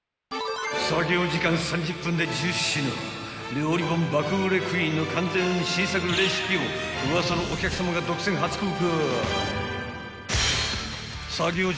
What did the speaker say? ［料理本爆売れクイーンの完全新作レシピを『ウワサのお客さま』が独占初公開］